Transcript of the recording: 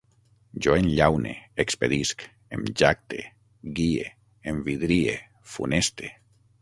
Jo enllaune, expedisc, em jacte, guie, envidrie, funeste